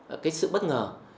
ở cái sự bất ngờ